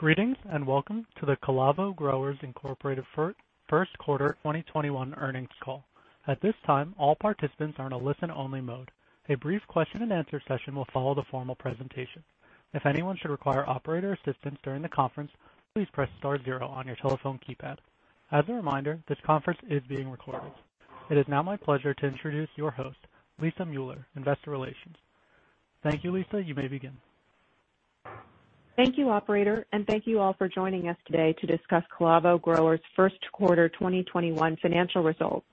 Greetings and welcome to Calavo Growers, Inc. First Quarter 2021 Earnings Call. At this time, all participants are in a listen-only mode. A brief question and answer session will follow the formal presentation. If anyone should require operator assistance during the conference, please press star zero on your telephone keypad. As a reminder, this conference is being recorded. It is now my pleasure to introduce your host, Lisa Mueller, Investor Relations. Thank you, Lisa. You may begin. Thank you, operator, and thank you all for joining us today to discuss Calavo Growers' first quarter 2021 financial results.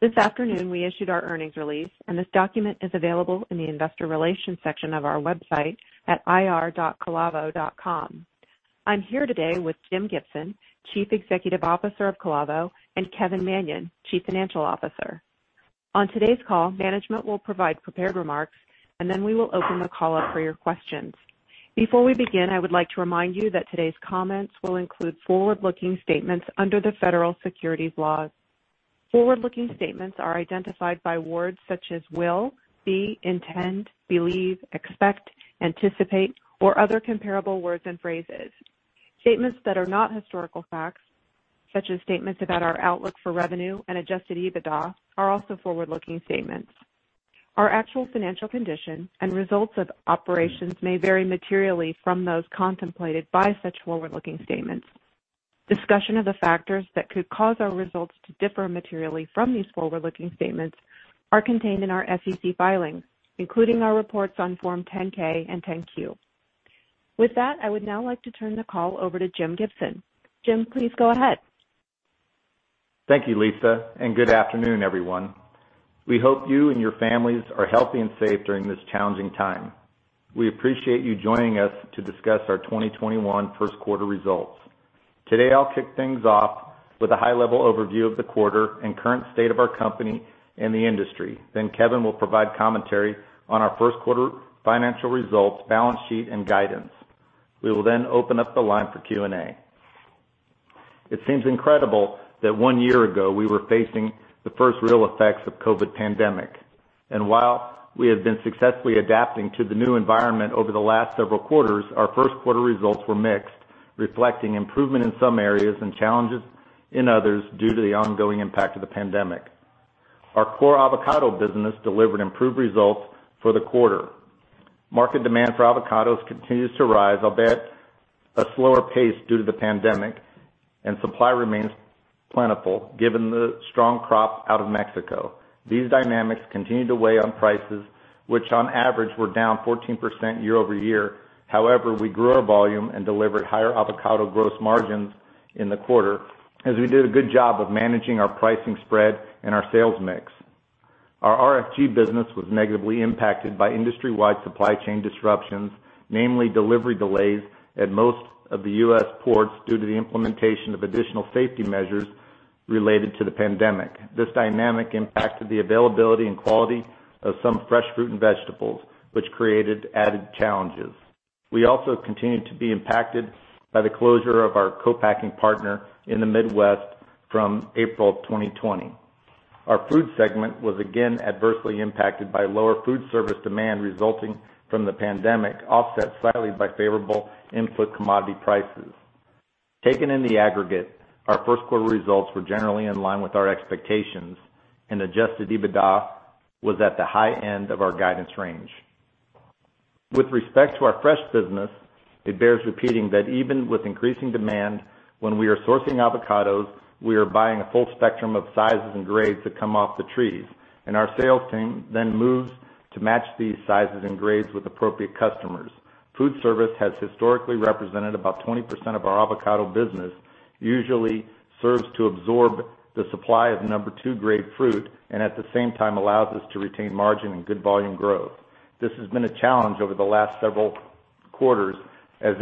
This afternoon, we issued our earnings release, and this document is available in the investor relations section of our website at ir.calavo.com. I'm here today with Jim Gibson, Chief Executive Officer of Calavo, and Kevin Manion, Chief Financial Officer. On today's call, management will provide prepared remarks, and then we will open the call up for your questions. Before we begin, I would like to remind you that today's comments will include forward-looking statements under the federal securities laws. Forward-looking statements are identified by words such as will, be, intend, believe, expect, anticipate, or other comparable words and phrases. Statements that are not historical facts, such as statements about our outlook for revenue and adjusted EBITDA, are also forward-looking statements. Our actual financial condition and results of operations may vary materially from those contemplated by such forward-looking statements. Discussion of the factors that could cause our results to differ materially from these forward-looking statements is contained in our SEC filings, including our reports on Form 10-K and 10-Q. With that, I would now like to turn the call over to Jim Gibson. Jim, please go ahead. Thank you, Lisa. Good afternoon, everyone. We hope you and your families are healthy and safe during this challenging time. We appreciate you joining us to discuss our 2021 first quarter results. Today, I'll kick things off with a high-level overview of the quarter and current state of our company and the industry. Kevin will provide commentary on our first quarter financial results, balance sheet, and guidance. We will open up the line for Q&A. It seems incredible that one year ago, we were facing the first real effects of the COVID-19 pandemic. While we have been successfully adapting to the new environment over the last several quarters, our first quarter results were mixed, reflecting improvement in some areas and challenges in others due to the ongoing impact of the pandemic. Our core avocado business delivered improved results for the quarter. Market demand for avocados continues to rise, albeit at a slower pace due to the pandemic, and supply remains plentiful given the strong crop out of Mexico. These dynamics continued to weigh on prices, which on average were down 14% year-over-year. However, we grew our volume and delivered higher avocado gross margins in the quarter as we did a good job of managing our pricing spread and our sales mix. Our RFG business was negatively impacted by industry-wide supply chain disruptions, namely delivery delays at most of the U.S. ports due to the implementation of additional safety measures related to the pandemic. This dynamic impacted the availability and quality of some fresh fruit and vegetables, which created added challenges. We also continued to be impacted by the closure of our co-packing partner in the Midwest from April 2020. Our food segment was again adversely impacted by lower food service demand resulting from the pandemic, offset slightly by favorable input commodity prices. Taken in the aggregate, our first quarter results were generally in line with our expectations, and adjusted EBITDA was at the high-end of our guidance range. With respect to our fresh business, it bears repeating that even with increasing demand, when we are sourcing avocados, we are buying a full spectrum of sizes and grades that come off the trees, and our sales team then moves to match these sizes and grades with appropriate customers. Food service has historically represented about 20% of our avocado business, usually serves to absorb the supply of number two grade fruit, and at the same time allows us to retain margin and good volume growth. This has been a challenge over the last several quarters as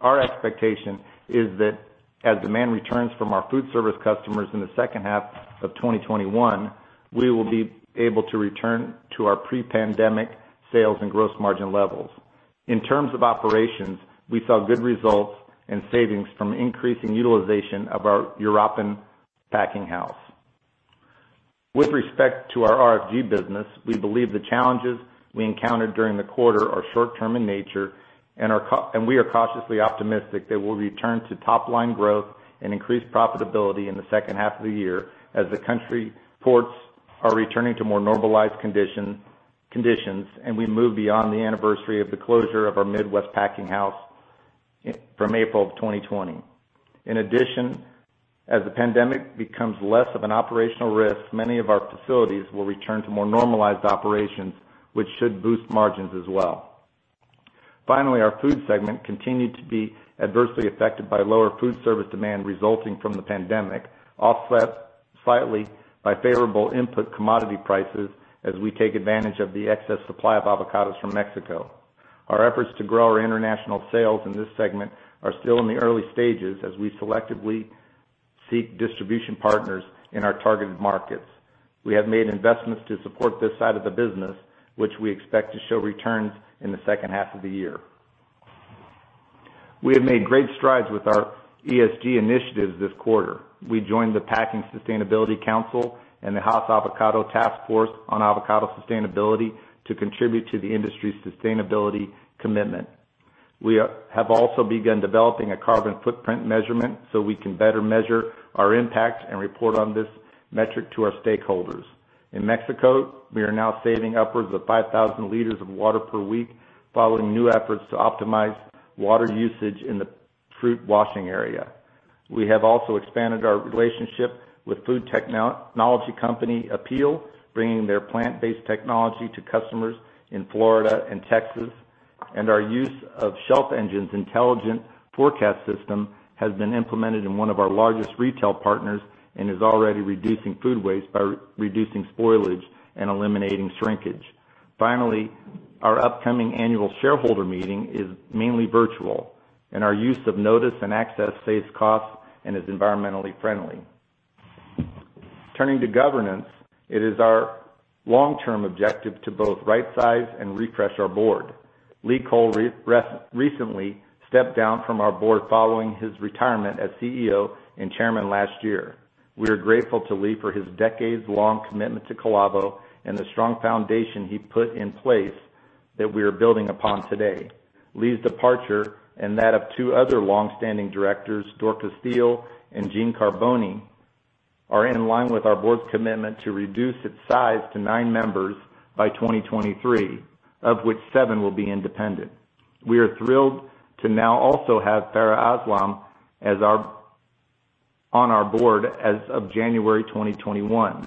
our expectation is that as demand returns from our food service customers in the second half of 2021, we will be able to return to our pre-pandemic sales and gross margin levels. In terms of operations, we saw good results and savings from increasing utilization of our Uruapan packing house. With respect to our RFG business, we believe the challenges we encountered during the quarter are short-term in nature, and we are cautiously optimistic that we'll return to top-line growth and increased profitability in the second half of the year as the country ports are returning to more normalized conditions and we move beyond the anniversary of the closure of our Midwest packing house from April of 2020. In addition, as the pandemic becomes less of an operational risk, many of our facilities will return to more normalized operations, which should boost margins as well. Our food segment continued to be adversely affected by lower food service demand resulting from the pandemic, offset slightly by favorable input commodity prices as we take advantage of the excess supply of avocados from Mexico. Our efforts to grow our international sales in this segment are still in the early stages as we selectively seek distribution partners in our targeted markets. We have made investments to support this side of the business, which we expect to show returns in the second half of the year. We have made great strides with our ESG initiatives this quarter. We joined the Packing Sustainability Council and the Hass Avocado Board Sustainability Task Force to contribute to the industry's sustainability commitment. We have also begun developing a carbon footprint measurement so we can better measure our impact and report on this metric to our stakeholders. In Mexico, we are now saving upwards of 5,000 liters of water per week following new efforts to optimize water usage in the fruit washing area. We have also expanded our relationship with food technology company Apeel, bringing their plant-based technology to customers in Florida and Texas. Our use of Shelf Engine's intelligent forecast system has been implemented in one of our largest retail partners and is already reducing food waste by reducing spoilage and eliminating shrinkage. Finally, our upcoming annual shareholder meeting is mainly virtual, and our use of Notice and Access saves costs and is environmentally friendly. Turning to governance, it is our long-term objective to both right-size and refresh our board. Lee Cole recently stepped down from our board following his retirement as CEO and Chairman last year. We are grateful to Lee for his decades-long commitment to Calavo and the strong foundation he put in place that we are building upon today. Lee's departure and that of two other longstanding directors, Dorca Thille and Gene Carbone, are in line with our board's commitment to reduce its size to nine members by 2023, of which seven will be independent. We are thrilled to now also have Farah Aslam on our board as of January 2021.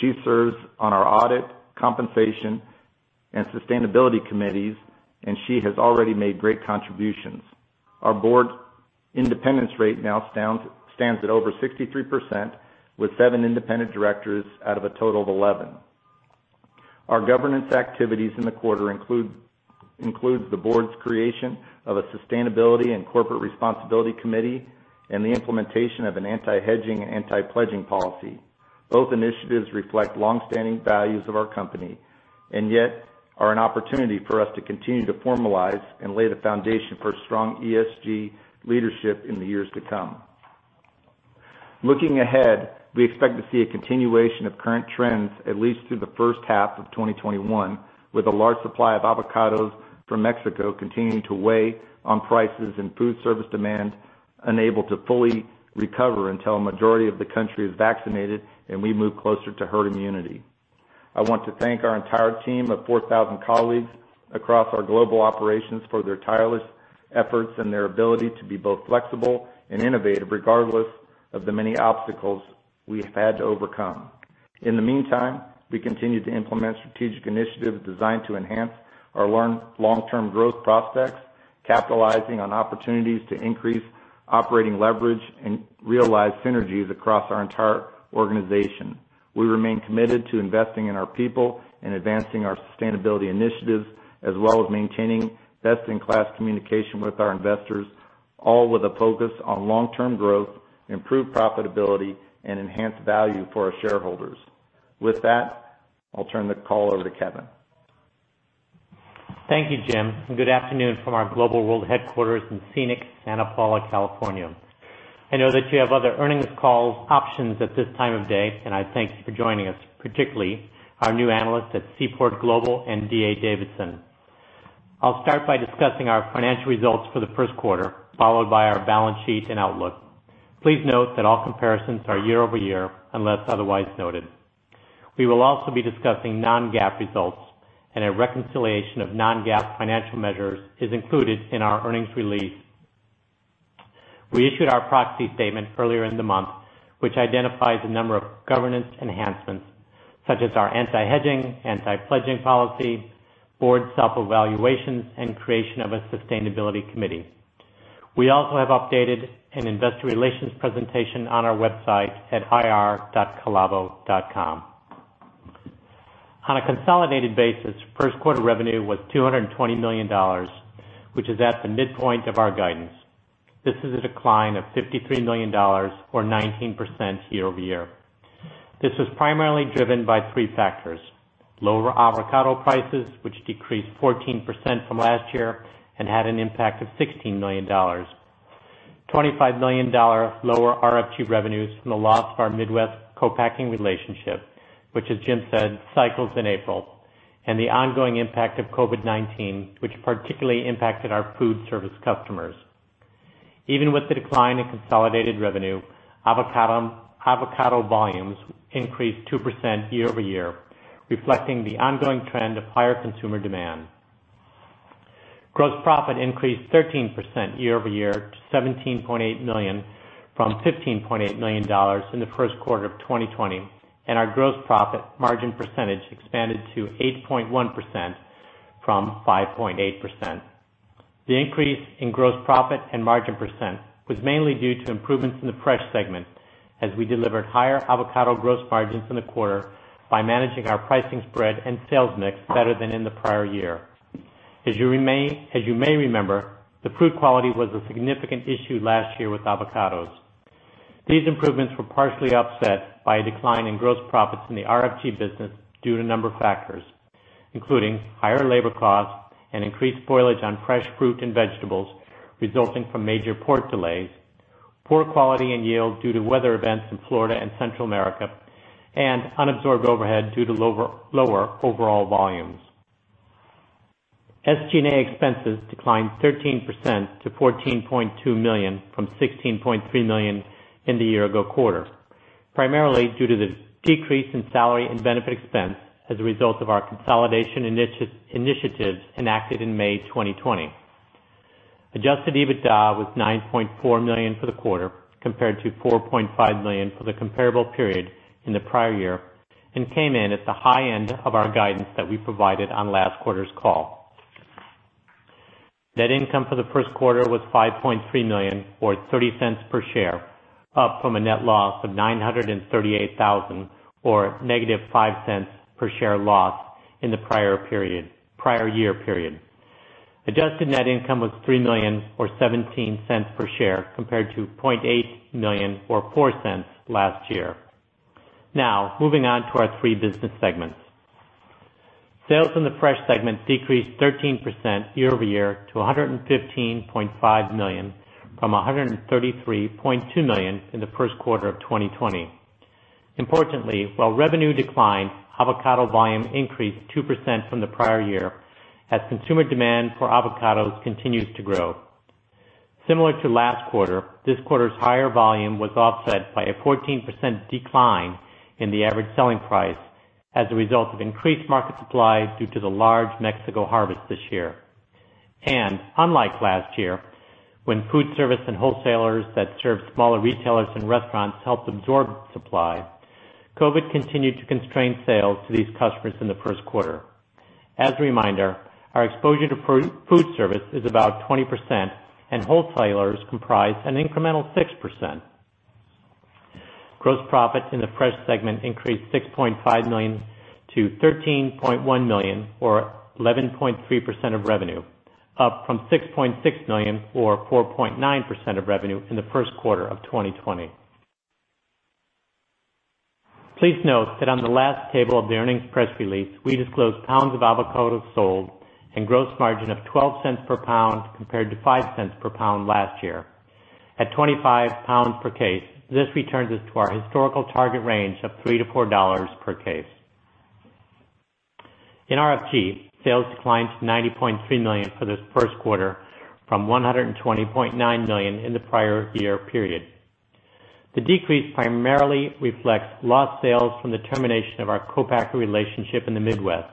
She serves on our Audit, Compensation, and Sustainability Committees, and she has already made great contributions. Our board independence rate now stands at over 63%, with seven independent directors out of a total of 11. Our governance activities in the quarter include the board's creation of a sustainability and corporate responsibility committee and the implementation of an Anti-Hedging and Anti-Pledging Policy. Both initiatives reflect longstanding values of our company and yet are an opportunity for us to continue to formalize and lay the foundation for strong ESG leadership in the years to come. Looking ahead, we expect to see a continuation of current trends at least through the first half of 2021, with a large supply of avocados from Mexico continuing to weigh on prices and food service demand unable to fully recover until a majority of the country is vaccinated and we move closer to herd immunity. I want to thank our entire team of 4,000 colleagues across our global operations for their tireless efforts and their ability to be both flexible and innovative, regardless of the many obstacles we have had to overcome. In the meantime, we continue to implement strategic initiatives designed to enhance our long-term growth prospects, capitalizing on opportunities to increase operating leverage and realize synergies across our entire organization. We remain committed to investing in our people and advancing our sustainability initiatives, as well as maintaining best-in-class communication with our investors, all with a focus on long-term growth, improved profitability, and enhanced value for our shareholders. With that, I'll turn the call over to Kevin. Thank you, Jim, and good afternoon from our global world headquarters in scenic Santa Paula, California. I know that you have other earnings call options at this time of day. I thank you for joining us, particularly our new analysts at Seaport Global and D.A. Davidson. I'll start by discussing our financial results for the first quarter, followed by our balance sheet and outlook. Please note that all comparisons are year-over-year, unless otherwise noted. We will also be discussing non-GAAP results. A reconciliation of non-GAAP financial measures is included in our earnings release. We issued our proxy statement earlier in the month, which identifies a number of governance enhancements, such as our Anti-Hedging and Anti-Pledging Policy, board self-evaluations, and creation of a sustainability committee. We also have updated an investor relations presentation on our website at ir.calavo.com. On a consolidated basis, first quarter revenue was $220 million, which is at the midpoint of our guidance. This is a decline of $53 million, or 19% year-over-year. This was primarily driven by three factors. Lower avocado prices, which decreased 14% from last year and had an impact of $16 million. $25 million lower RFG revenues from the loss of our Midwest co-packing relationship, which, as Jim said, cycles in April. The ongoing impact of COVID-19, which particularly impacted our food service customers. Even with the decline in consolidated revenue, avocado volumes increased 2% year-over-year, reflecting the ongoing trend of higher consumer demand. Gross profit increased 13% year-over-year to $17.8 million from $15.8 million in the first quarter of 2020. Our gross profit margin percentage expanded to 8.1% from 5.8%. The increase in gross profit and margin percent was mainly due to improvements in the fresh segment, as we delivered higher avocado gross margins in the quarter by managing our pricing spread and sales mix better than in the prior year. As you may remember, the fruit quality was a significant issue last year with avocados. These improvements were partially offset by a decline in gross profits in the RFG business due to a number of factors, including higher labor costs and increased spoilage on fresh fruit and vegetables resulting from major port delays, poor quality and yield due to weather events in Florida and Central America, and unabsorbed overhead due to lower overall volumes. SG&A expenses declined 13% to $14.2 million from $16.3 million in the year ago quarter, primarily due to the decrease in salary and benefit expense as a result of our consolidation initiatives enacted in May 2020. Adjusted EBITDA was $9.4 million for the quarter, compared to $4.5 million for the comparable period in the prior year, and came in at the high end of our guidance that we provided on last quarter's call. Net income for the first quarter was $5.3 million, or $0.30 per share, up from a net loss of $938,000 or a negative $0.05 per share loss, in the prior year period. Adjusted net income was $3 million, or $0.17 per share, compared to $0.8 million, or $0.04 last year. Now, moving on to our three business segments. Sales in the fresh segment decreased 13% year-over-year to $115.5 million from $133.2 million in the first quarter of 2020. Importantly, while revenue declined, avocado volume increased 2% from the prior year as consumer demand for avocados continues to grow. Similar to last quarter, this quarter's higher volume was offset by a 14% decline in the average selling price as a result of increased market supply due to the large Mexico harvest this year. Unlike last year, when food service and wholesalers that serve smaller retailers and restaurants helped absorb supply, COVID continued to constrain sales to these customers in the first quarter. As a reminder, our exposure to food service is about 20%, and wholesalers comprise an incremental 6%. Gross profit in the fresh segment increased $6.5 million-$13.1 million, or 11.3% of revenue, up from $6.6 million, or 4.9% of revenue, in the first quarter of 2020. Please note that on the last table of the earnings press release, we disclosed pounds of avocados sold and a gross margin of $0.12 per pound compared to $0.05 per pound last year. At $25 pounds per case, this returns us to our historical target range of three to $4 per case. In RFG, sales declined to $90.3 million for this first quarter from $120.9 million in the prior year period. The decrease primarily reflects lost sales from the termination of our co-packer relationship in the Midwest,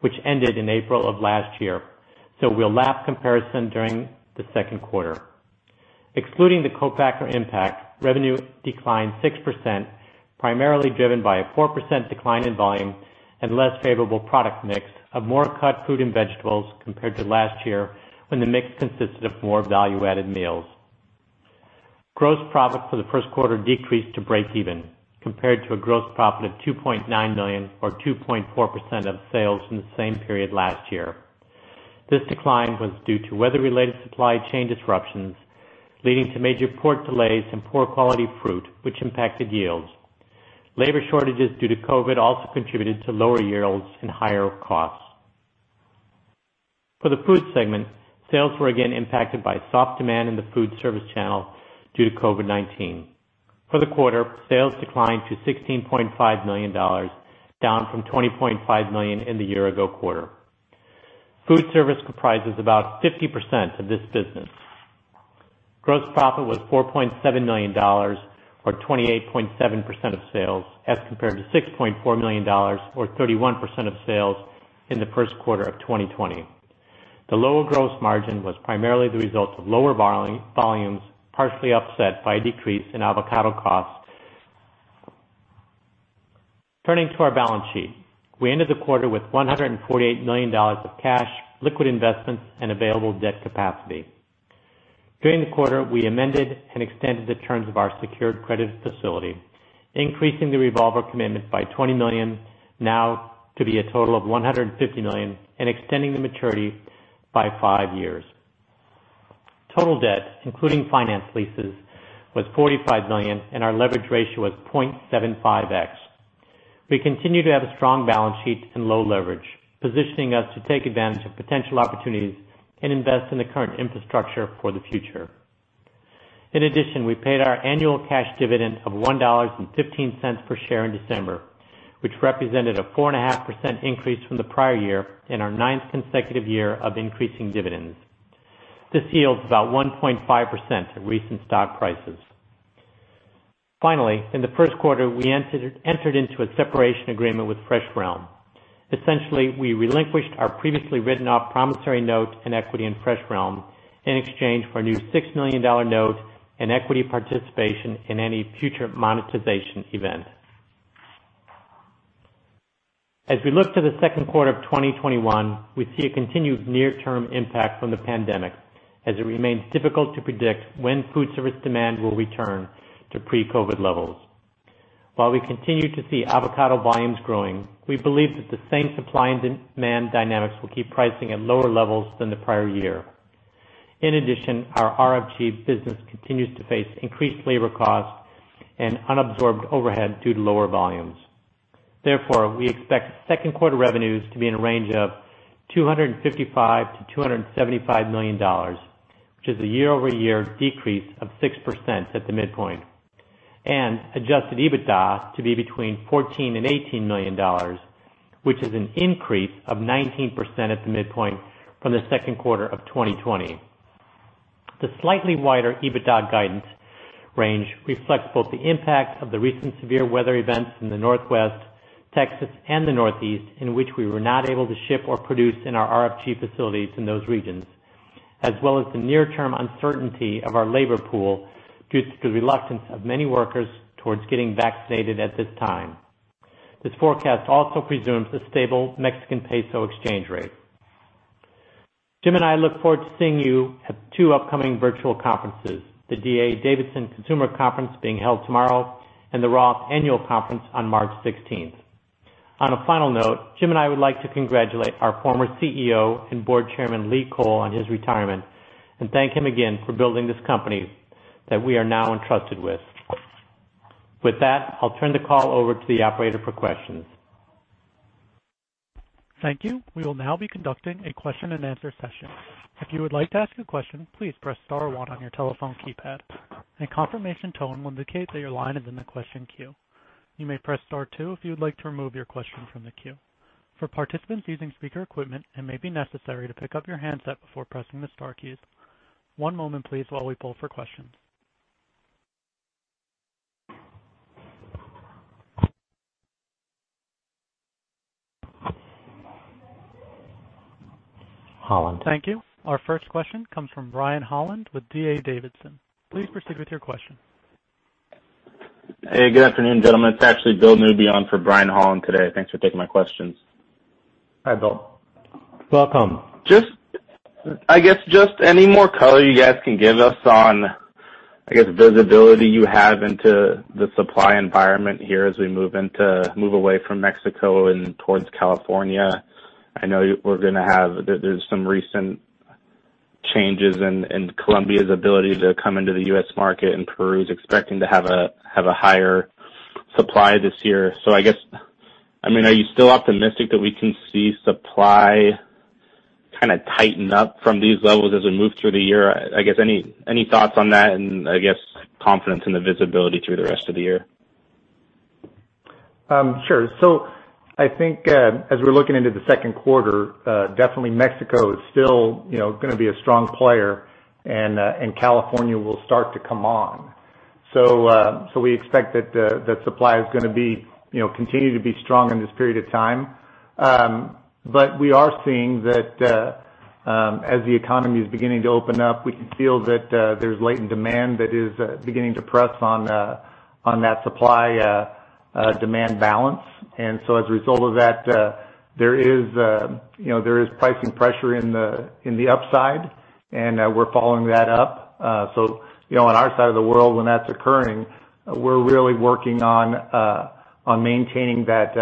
which ended in April of last year, so we'll lap the comparison during the second quarter. Excluding the co-packer impact, revenue declined 6%, primarily driven by a 4% decline in volume and a less favorable product mix of more cut fruit and vegetables compared to last year, when the mix consisted of more value-added meals. Gross profit for the first quarter decreased to breakeven compared to a gross profit of $2.9 million or 2.4% of sales from the same period last year. This decline was due to weather-related supply chain disruptions, leading to major port delays and poor-quality fruit, which impacted yields. Labor shortages due to COVID also contributed to lower yields and higher costs. For the food segment, sales were again impacted by soft demand in the food service channel due to COVID-19. For the quarter, sales declined to $16.5 million, down from $20.5 million in the year ago quarter. Food service comprises about 50% of this business. Gross profit was $4.7 million, or 28.7% of sales, as compared to $6.4 million, or 31% of sales, in the first quarter of 2020. The lower gross margin was primarily the result of lower volumes, partially offset by a decrease in avocado cost. Turning to our balance sheet. We ended the quarter with $148 million of cash, liquid investments, and available debt capacity. During the quarter, we amended and extended the terms of our secured credit facility, increasing the revolver commitment by $20 million, now to be a total of $150 million, and extending the maturity by five years. Total debt, including finance leases, was $45 million, and our leverage ratio was 0.75x. We continue to have a strong balance sheet and low leverage, positioning us to take advantage of potential opportunities and invest in the current infrastructure for the future. In addition, we paid our annual cash dividend of $1.15 per share in December, which represented a 4.5% increase from the prior year and our ninth consecutive year of increasing dividends. This yields about 1.5% at recent stock prices. Finally, in the first quarter, we entered into a separation agreement with FreshRealm. Essentially, we relinquished our previously written-off promissory note and equity in FreshRealm in exchange for a new $6 million note and equity participation in any future monetization event. As we look to the second quarter of 2021, we see a continued near-term impact from the pandemic as it remains difficult to predict when food service demand will return to pre-COVID levels. While we continue to see avocado volumes growing, we believe that the same supply and demand dynamics will keep pricing at lower levels than the prior year. In addition, our RFG business continues to face increased labor costs and unabsorbed overhead due to lower volumes. We expect second quarter revenues to be in a range of $255 million-$275 million, which is a year-over-year decrease of 6% at the midpoint, and adjusted EBITDA to be between $14 million and $18 million, which is an increase of 19% at the midpoint from the second quarter of 2020. The slightly wider EBITDA guidance range reflects both the impact of the recent severe weather events in the Northwest, Texas, and the Northeast, in which we were not able to ship or produce in our RFG facilities in those regions, as well as the near-term uncertainty of our labor pool due to the reluctance of many workers towards getting vaccinated at this time. This forecast also presumes a stable Mexican peso exchange rate. Jim and I look forward to seeing you at two upcoming virtual conferences: the D.A. Davidson Consumer Conference being held tomorrow and the ROTH Annual Conference on March 16th. On a final note, Jim and I would like to congratulate our former CEO and Board Chairman, Lee Cole, on his retirement and thank him again for building this company that we are now entrusted with. With that, I'll turn the call over to the operator for questions. Thank you. We will now be conducting a question-and-answer session. If you would like to ask a question, please press star one on your telephone keypad. A confirmation tone will indicate that your line is in the question queue. You may press star two if you would like to remove your question from the queue. For participants using speaker equipment, it may be necessary to pick up your handset before pressing the star keys. One moment, please, while we pull for questions. Holland. Thank you. Our first question comes from Brian Holland with D.A. Davidson. Please proceed with your question. Hey, good afternoon, gentlemen. It's actually Bill Newby on for Brian Holland today. Thanks for taking my questions. Hi, Bill. Welcome. I guess just any more color you guys can give us on the visibility you have into the supply environment here as we move away from Mexico and towards California. I know there's some recent changes in Colombia's ability to come into the U.S. market, and Peru's expecting to have a higher supply this year. Are you still optimistic that we can see supply kind of tighten up from these levels as we move through the year? Any thoughts on that, and confidence in the visibility through the rest of the year? Sure. I think as we're looking into the second quarter, definitely Mexico is still going to be a strong player, and California will start to come on. We expect that supply is going to continue to be strong in this period of time. We are seeing that as the economy is beginning to open up, we can feel that there's latent demand that is beginning to press on that supply-demand balance. As a result of that, there is pricing pressure on the upside, and we're following that up. On our side of the world, when that's occurring, we're really working on maintaining that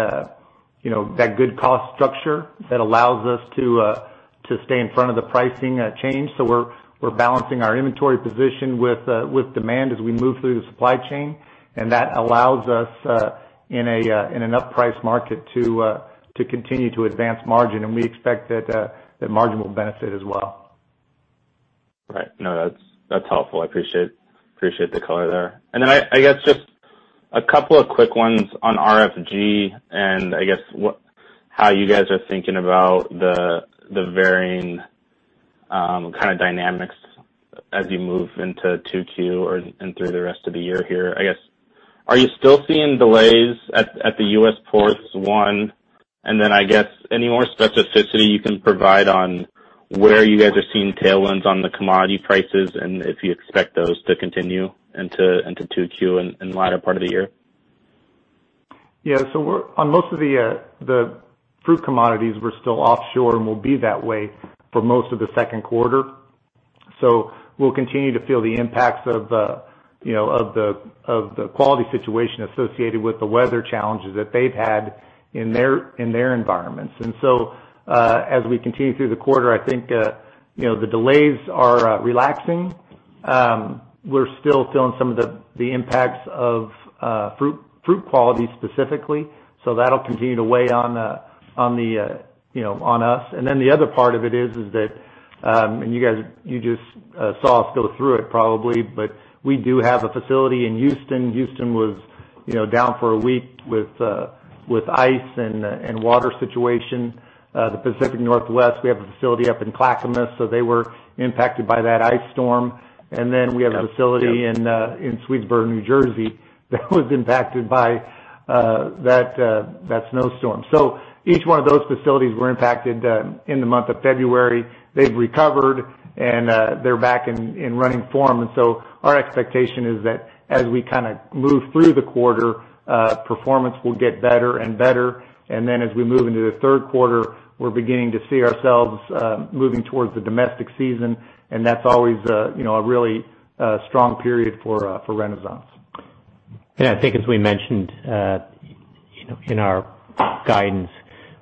good cost structure that allows us to stay in front of the pricing change. We're balancing our inventory position with demand as we move through the supply chain, and that allows us in an up-priced market to continue to advance margin, and we expect that margin will benefit as well. Right. No, that's helpful. I appreciate the color there. Just a couple of quick ones on RFG and how you guys are thinking about the varying kind of dynamics as you move into Q2 or through the rest of the year here. Are you still seeing delays at the U.S. ports, one? Any more specificity you can provide on where you guys are seeing tailwinds on the commodity prices and if you expect those to continue into Q2 and the latter part of the year? On most of the fruit commodities, we're still offshore and will be that way for most of the second quarter. We'll continue to feel the impacts of the quality situation associated with the weather challenges that they've had in their environments. As we continue through the quarter, I think the delays are relaxing. We're still feeling some of the impacts of fruit quality specifically, so that'll continue to weigh on us. The other part of it is that, and you just saw us go through it probably, but we do have a facility in Houston. Houston was down for a week with ice and a water situation. The Pacific Northwest, we have a facility up in Clackamas, so they were impacted by that ice storm. We have a facility in Swedesboro, New Jersey, that was impacted by that snowstorm. Each one of those facilities was impacted in the month of February. They've recovered, and they're back in running form. Our expectation is that as we kind of move through the quarter, performance will get better and better. As we move into the third quarter, we're beginning to see ourselves moving towards the domestic season, and that's always a really strong period for Renaissance. I think as we mentioned in our guidance,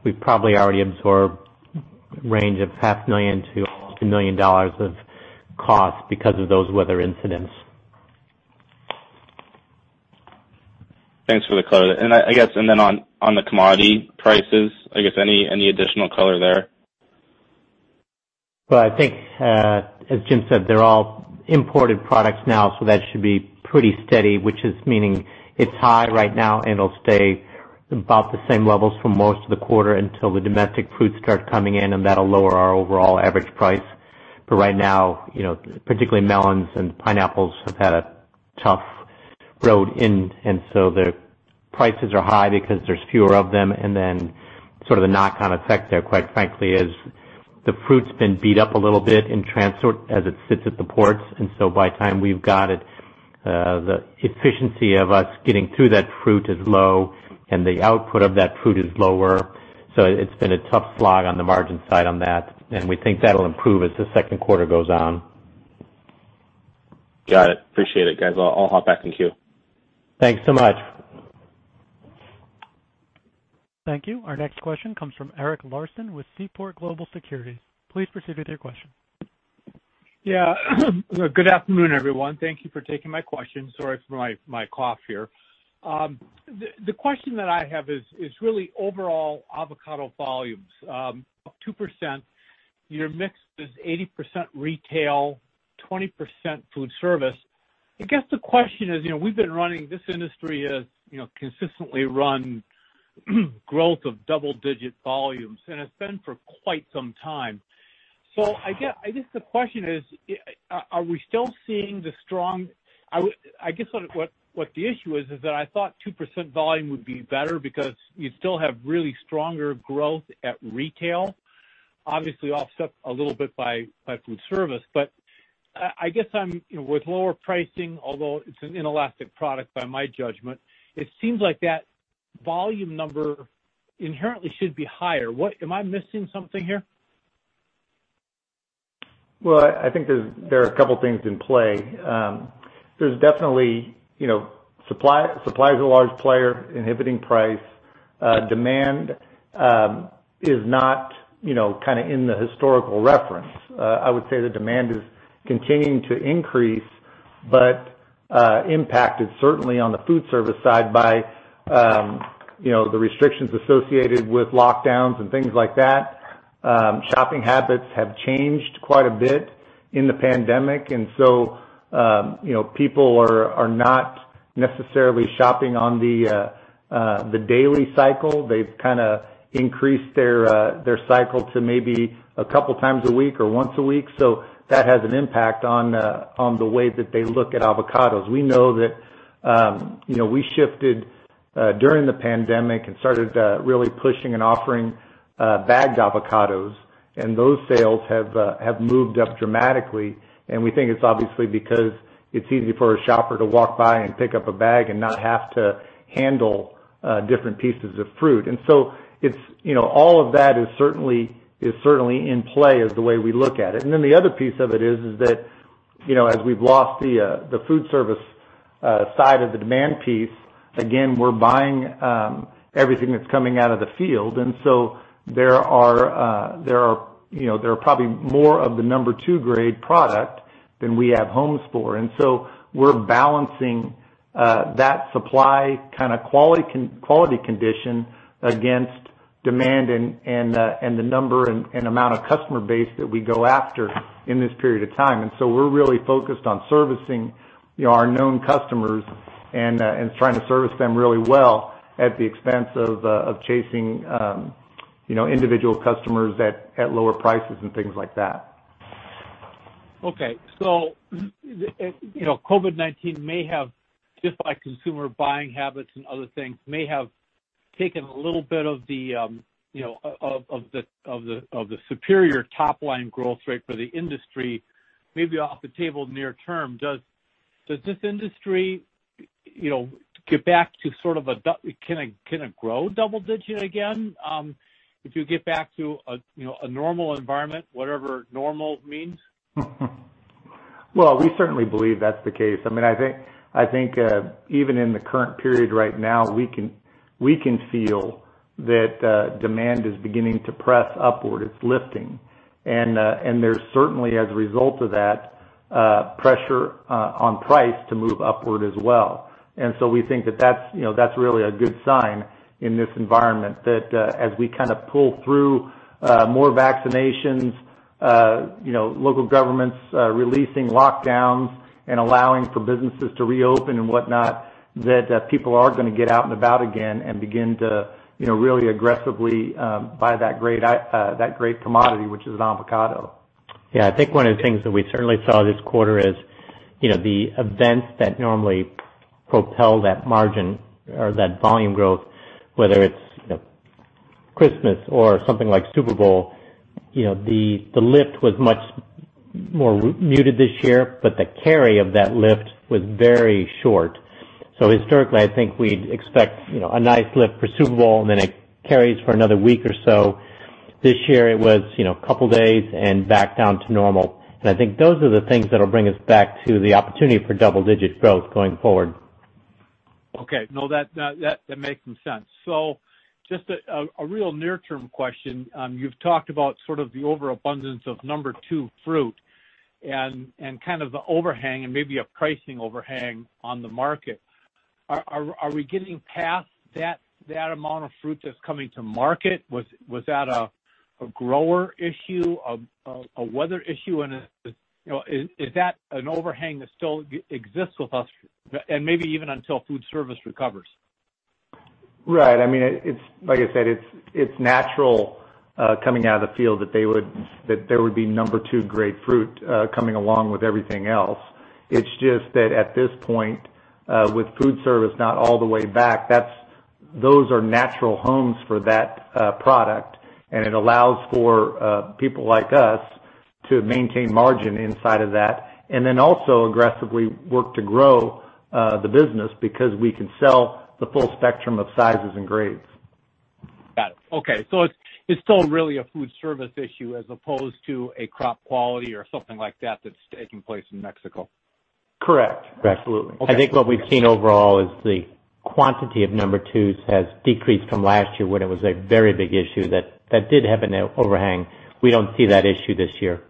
we've probably already absorbed a range of half a million to almost $1 million of cost because of those weather incidents. Thanks for the color. I guess, on the commodity prices, I guess any additional color there? Well, I think, as Jim said, they're all imported products now, so that should be pretty steady, which means it's high right now, and it'll stay about the same levels for most of the quarter until the domestic fruits start coming in, and that'll lower our overall average price. Right now, particularly melons and pineapples, have had a tough road in, and so the prices are high because there are fewer of them. Sort of the knock-on effect there, quite frankly, is the fruit's been beat up a little bit in transport as it sits at the ports. By the time we've got it, the efficiency of us getting to that fruit is low, and the output of that fruit is lower. It's been a tough slog on the margin side on that, and we think that'll improve as the second quarter goes on. Got it. Appreciate it, guys. I'll hop back in queue. Thanks so much. Thank you. Our next question comes from Eric Larson with Seaport Global Securities. Please proceed with your question. Yeah. Good afternoon, everyone. Thank you for taking my question. Sorry for my cough here. The question that I have is really overall avocado volumes. Up 2%, your mix is 80% retail and 20% food service. I guess the question is, has this industry consistently run growth of double-digit volumes, and has it been for quite some time? I guess the question is, are we still seeing it? I guess what the issue is is that I thought 2% volume would be better because you still have really strong growth at retail, obviously offset a little bit by food service. I guess with lower pricing, although it's an inelastic product by my judgment, it seems like that volume number inherently should be higher. Am I missing something here? Well, I think there are a couple things in play. There's definitely a supply that is a large player inhibiting price. Demand is not in the historical reference. I would say the demand is continuing to increase, impacted certainly on the food service side by the restrictions associated with lockdowns and things like that. Shopping habits have changed quite a bit in the pandemic, people are not necessarily shopping on the daily cycle. They've kind of increased their cycle to maybe a couple times a week or once a week. That has an impact on the way that they look at avocados. We know that we shifted during the pandemic and started really pushing and offering bagged avocados, and those sales have moved up dramatically, and we think it's obviously because it's easy for a shopper to walk by and pick up a bag and not have to handle different pieces of fruit. All of that is certainly in play, is the way we look at it. The other piece of it is that as we've lost the food service side of the demand piece, again, we're buying everything that's coming out of the field. There are probably more of the number two grade product than we have homes for. We're balancing that supply-kind quality condition against demand and the number and amount of customer base that we go after in this period of time. We're really focused on servicing our known customers and trying to service them really well at the expense of chasing individual customers at lower prices and things like that. COVID-19 may have, just like consumer buying habits and other things, taken a little bit of the superior top-line growth rate for the industry, maybe off the table in the near term. Does this industry get back to, sort of, can it grow double-digits again if you get back to a normal environment, whatever normal means? Well, we certainly believe that's the case. I think even in the current period right now, we can feel that demand is beginning to press upward. It's lifting. There's certainly, as a result of that, pressure on price to move upward as well. We think that that's really a good sign in this environment that as we kind of pull through more vaccinations, local governments release lockdowns, and allow for businesses to reopen and whatnot, people are going to get out and about again and begin to really aggressively buy that great commodity, which is avocado. I think one of the things that we certainly saw this quarter is that the events that normally propel that margin or that volume growth, whether it's Christmas or something like the Super Bowl, the lift was much more muted this year, but the carry of that lift was very short. Historically, I think we'd expect a nice lift for the Super Bowl, and then it carries for another week or so. This year it was a couple of days and back down to normal. I think those are the things that'll bring us back to the opportunity for double-digit growth going forward. Okay. No, that makes some sense. Just a real near-term question. You've talked about sort of the overabundance of number two fruit and kind of the overhang and maybe a pricing overhang in the market. Are we getting past that amount of fruit that's coming to market? Was that a grower issue? Was it a weather issue? and is that an overhang that still exists with us and maybe even until food service recovers? Right. Like I said, it's natural coming out of the field that there would be number two grade fruit coming along with everything else. It's just that at this point, with food service not all the way back, those are natural homes for that product, and it allows for people like us to maintain margin inside of that. Also, aggressively work to grow the business because we can sell the full spectrum of sizes and grades. Got it. Okay. It's still really a food service issue as opposed to a crop quality or something like that that's taking place in Mexico. Correct. Absolutely. Okay. I think what we've seen overall is the quantity of number two has decreased from last year when it was a very big issue that did have an overhang. We don't see that issue this year.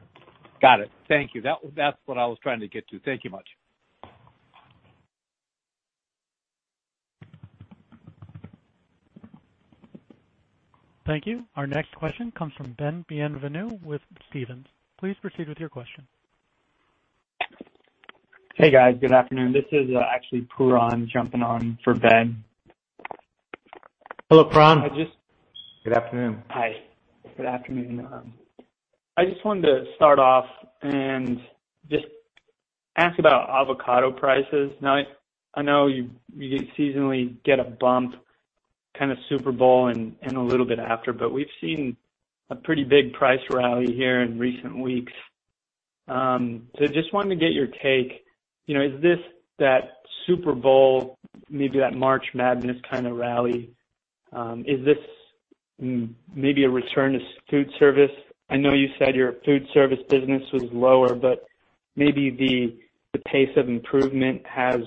Got it. Thank you. That's what I was trying to get to. Thank you very much. Thank you. Our next question comes from Ben Bienvenu with Stephens. Please proceed with your question. Hey, guys. Good afternoon. This is actually Pooran jumping on for Ben. Hello, Pooran. Good afternoon. Hi. Good afternoon. I just wanted to start off and just ask about avocado prices. Now, I know you seasonally get a bump kind of around the Super Bowl and a little bit after, but we've seen a pretty big price rally here in recent weeks. Just wanted to get your take. Is this that Super Bowl, or maybe that March Madness kind of rally? Is this maybe a return to food service? I know you said your food service business was lower, but maybe the pace of improvement has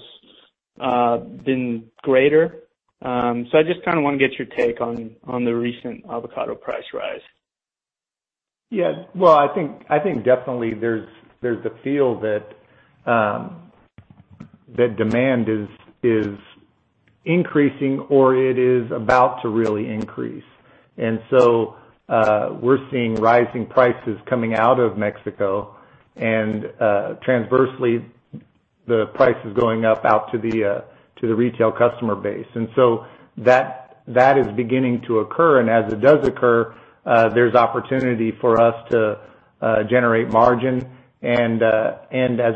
been greater. I just kind of want to get your take on the recent avocado price rise. Yeah. Well, I think definitely there's the feel that demand is increasing or it is about to really increase. We're seeing rising prices coming out of Mexico, and conversely, the price is going up for the retail customer base. That is beginning to occur, and as it does occur, there's opportunity for us to generate margin. As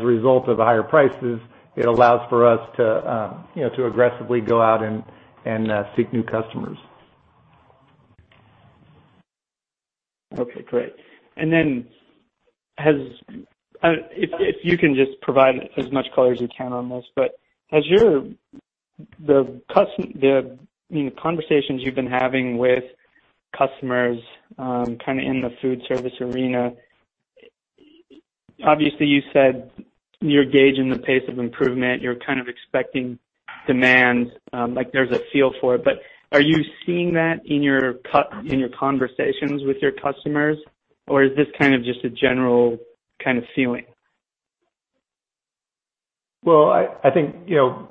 a result of the higher prices, it allows for us to aggressively go out and seek new customers. Okay, great. If you can just provide as much color as you can on this, the conversations you've been having with customers kind of in the food service arena, obviously you said you're gauging the pace of improvement, you're kind of expecting demand, like there's a feel for it, but are you seeing that in your conversations with your customers, or is this kind of just a general kind of feeling? Well, I think food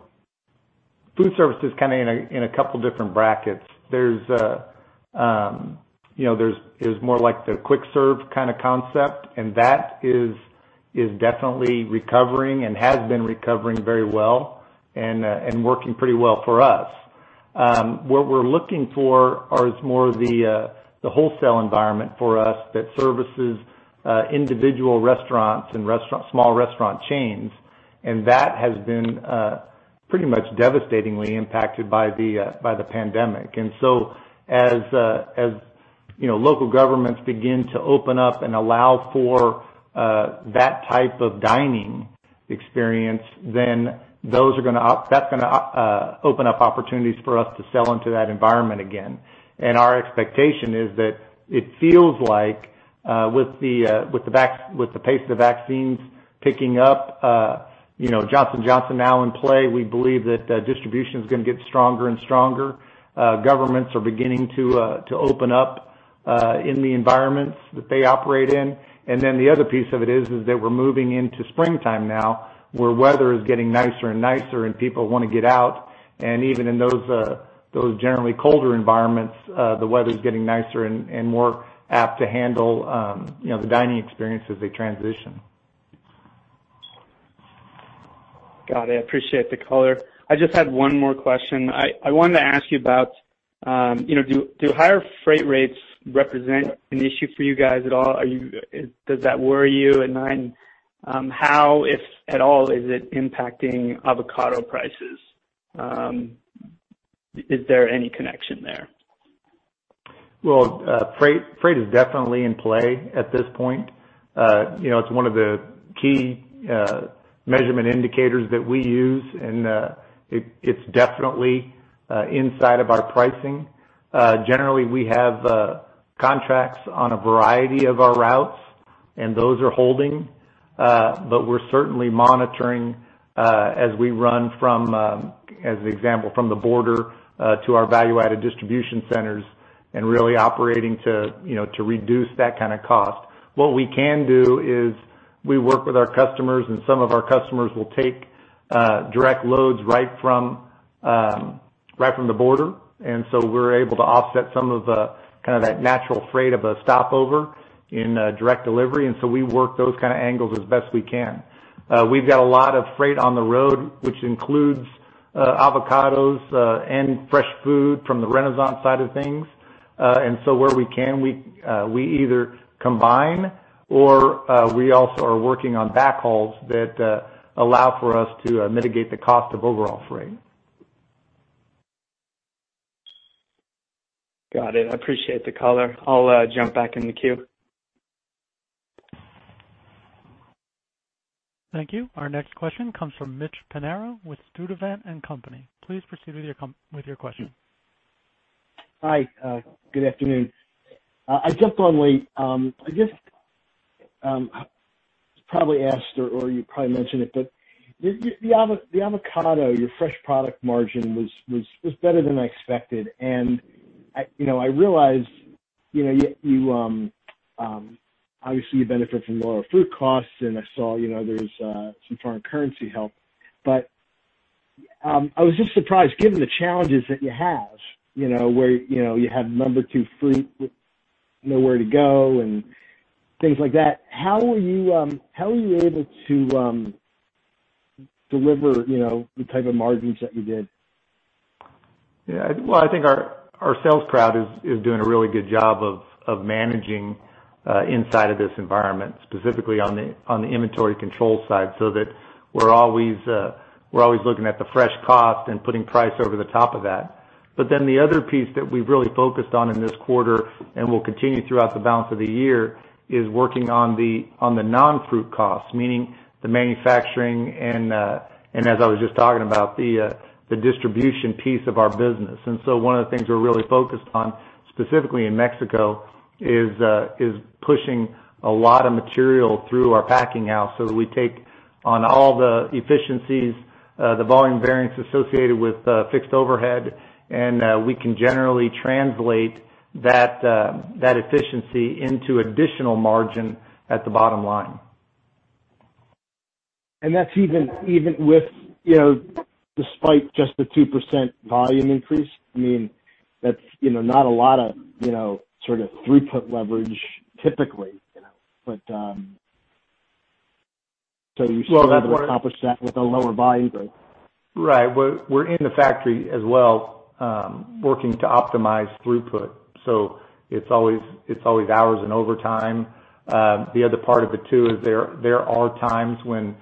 service is kind of in a couple different brackets. There's more like the quick-serve kind of concept. That is definitely recovering and has been recovering very well and working pretty well for us. What we're looking for is more the wholesale environment for us that services individual restaurants and small restaurant chains. That has been pretty much devastatingly impacted by the pandemic. As local governments begin to open up and allow for that type of dining experience, that's going to open up opportunities for us to sell into that environment again. Our expectation is that it feels like with the pace of the vaccines picking up and Johnson & Johnson now in play, we believe that distribution's going to get stronger and stronger. Governments are beginning to open up in the environments that they operate in. The other piece of it is that we're moving into springtime now, where weather is getting nicer and nicer and people want to get out. Even in those generally colder environments, the weather's getting nicer and more apt to handle the dining experience as they transition. Got it. Appreciate the color. I just had one more question. I wanted to ask you about whether higher freight rates represent an issue for you guys at all. Does that worry you? Then, how, if at all, is it impacting avocado prices? Is there any connection there? Well, freight is definitely in play at this point. It's one of the key measurement indicators that we use, and it's definitely inside of our pricing. Generally, we have contracts on a variety of our routes. Those are holding, but we're certainly monitoring as we run from, as an example, the border to our value-added distribution centers and really operating to reduce that kind of cost. What we can do is work with our customers, and some of our customers will take direct loads right from the border. We're able to offset some of that natural freight of a stopover in direct delivery, and so we work those kinds of angles as best we can. We've got a lot of freight on the road, which includes avocados and fresh food from the Renaissance side of things. Where we can, we either combine or we also are working on backhauls that allow for us to mitigate the cost of overall freight. Got it. I appreciate the color. I'll jump back in the queue. Thank you. Our next question comes from Mitchell Pinheiro with Sturdivant & Co. Please proceed with your question. Hi. Good afternoon. I jumped on late. It was probably asked, or you probably mentioned it, but the avocado, your fresh product's margin, was better than I expected. I realize, obviously, you benefit from lower fruit costs, and I saw there's some foreign currency help, but I was just surprised given the challenges that you have, where you have number two fruit with nowhere to go and things like that, how were you able to deliver the type of margins that you did? Well, I think our sales crowd is doing a really good job of managing inside of this environment, specifically on the inventory control side, so that we're always looking at the fresh cost and putting price over the top of that. The other piece that we've really focused on in this quarter and will continue throughout the balance of the year is working on the non-fruit costs, meaning the manufacturing and, as I was just talking about, the distribution piece of our business. One of the things we're really focused on, specifically in Mexico, is pushing a lot of material through our packing house so that we take on all the efficiencies and the volume variance associated with fixed overhead, and we can generally translate that efficiency into additional margin at the bottom line. That's even despite just the 2% volume increase? That's not a lot of throughput leverage typically— Well, that's why- ...were able to accomplish that with a lower volume, right? Right. We're in the factory as well, working to optimize throughput. It's always hours and overtime. The other part of it too is there are times when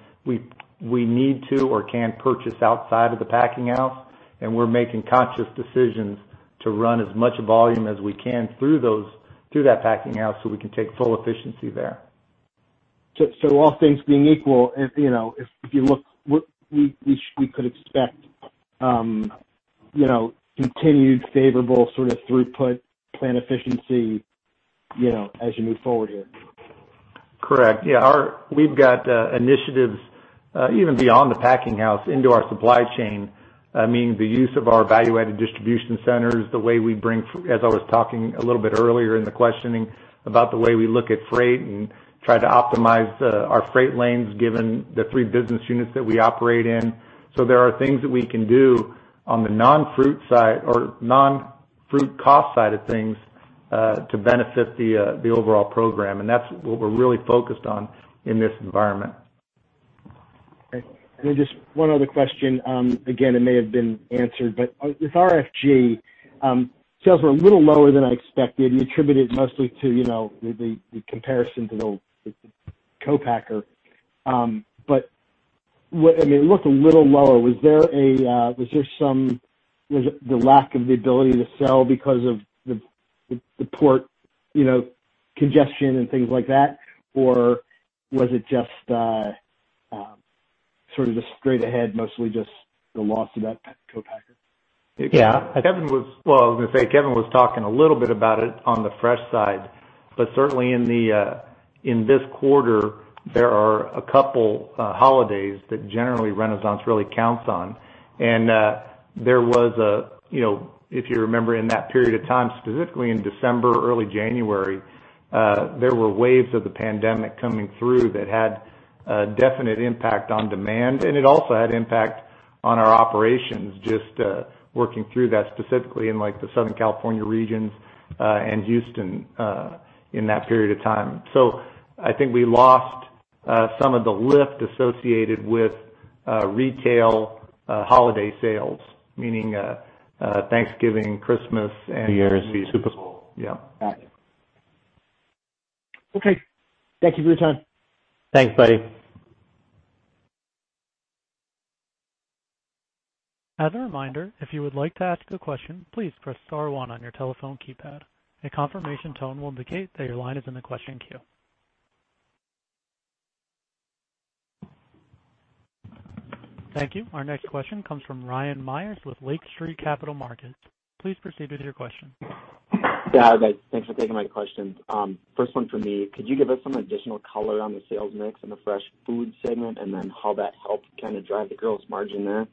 we need to or can purchase outside of the packing house. We're making conscious decisions to run as much volume as we can through that packing house. We can take full efficiency there. All things being equal, if you look, we could expect continued favorable sort of throughput plant efficiency as you move forward here. Correct. Yeah. We've got initiatives even beyond the packing house into our supply chain, meaning the use of our value-added distribution centers, as I was talking a little bit earlier in the questioning about the way we look at freight and try to optimize our freight lanes given the three business units that we operate in. There are things that we can do on the non-fruit cost side of things to benefit the overall program, and that's what we're really focused on in this environment. Okay. Just one other question. Again, it may have been answered, with RFG, sales were a little lower than I expected. You attributed it mostly to the comparison to the co-packer. It looked a little lower. Was it the lack of the ability to sell because of the port congestion and things like that? Was it just sort of straight ahead, mostly just the loss of that co-packer? Yeah. Well, I was going to say Kevin was talking a little bit about it on the fresh side, but certainly in this quarter, there are a couple holidays that generally Renaissance really counts on. If you remember in that period of time, specifically in December and early January, there were waves of the pandemic coming through that had a definite impact on demand, and it also had an impact on our operations, just working through that specifically in the Southern California regions and Houston in that period of time. I think we lost some of the lift associated with retail holiday sales, meaning Thanksgiving and Christmas— New Year's, the Super Bowl. Yeah. Got it. Okay, thank you for your time. Thanks, buddy. As a reminder, if you would like to ask a question, please press star one on your telephone keypad. A confirmation tone will indicate that your line is in the question queue. Thank you. Our next question comes from Ryan Meyers with Lake Street Capital Markets. Please proceed with your question. Yeah. Thanks for taking my questions. First one for me, could you give us some additional color on the sales mix in the fresh food segment and then how that helped kind of drive the gross margin there?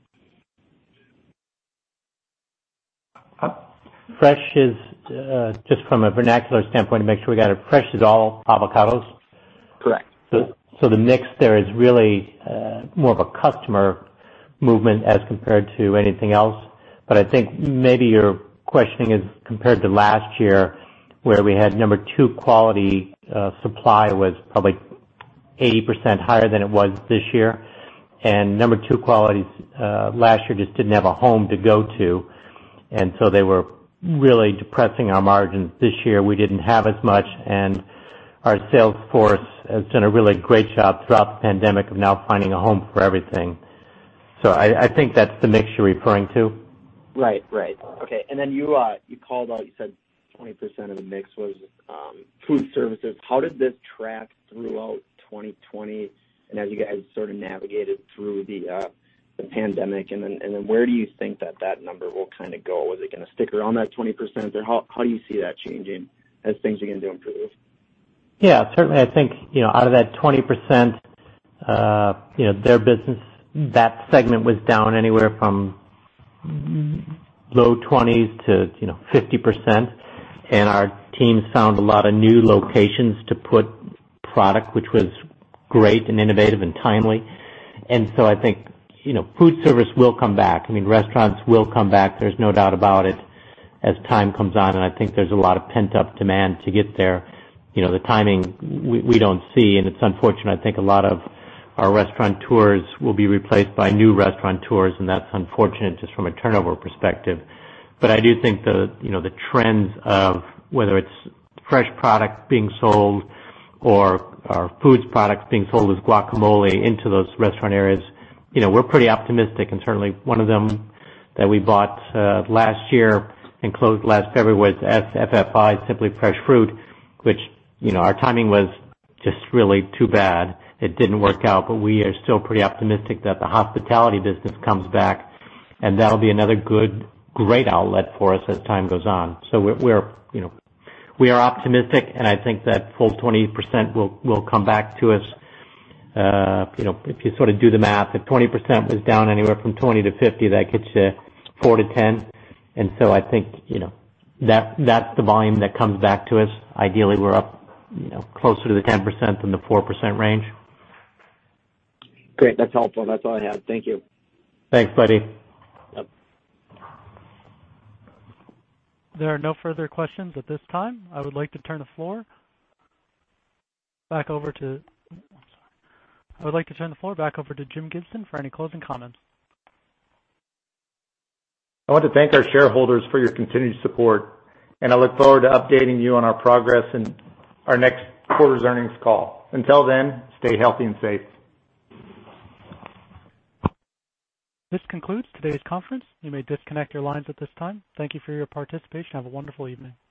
Fresh is just from a vernacular standpoint to make sure we got it. fresh is all avocados? Correct. The mix there is really more of a customer movement than anything else. I think maybe your questioning is compared to last year, where we had number two quality supply, which was probably 80% higher than it was this year. Number two quality last year just didn't have a home to go to, they were really depressing our margins. This year, we didn't have as much, and our sales force has done a really great job throughout the pandemic of now finding a home for everything. I think that's the mix you're referring to. Right. Okay. Then you called out, you said 20% of the mix was food services. How did this track throughout 2020 as you guys sort of navigated through the pandemic? Then where do you think that number will kind of go? Is it going to stick around that 20%, or how do you see that changing as things begin to improve? Certainly, I think out of that 20% of their business, that segment was down anywhere from low-20%-50%. Our team found a lot of new locations to put product, which was great and innovative and timely. I think food service will come back. Restaurants will come back, there's no doubt about it, as time comes on, and I think there's a lot of pent-up demand to get there. The timing we don't see, and it's unfortunate. I think a lot of our restaurateurs will be replaced by new restaurateurs, and that's unfortunate just from a turnover perspective. I do think the trends of whether it's fresh product being sold or our food product being sold as guacamole into those restaurant areas, we're pretty optimistic. Certainly one of them that we bought last year and closed last February was SFFI, Simply Fresh Fruit, for which our timing was just really too bad. It didn't work out. We are still pretty optimistic that the hospitality business comes back, and that'll be another good, great outlet for us as time goes on. We are optimistic, and I think that full 20% will come back to us. If you sort of do the math, if 20% were down anywhere from 20%-50%, that gets you 4%-10%. I think that's the volume that comes back to us. Ideally, we're up closer to the 10% than the 4% range. Great. That's helpful. That's all I have. Thank you. Thanks, buddy. Yep. There are no further questions at this time. I would like to turn the floor back over to James Gibson for any closing comments. I want to thank our shareholders for your continued support, and I look forward to updating you on our progress in our next quarter's earnings call. Until then, stay healthy and safe. This concludes today's conference. You may disconnect your lines at this time. Thank you for your participation. Have a wonderful evening.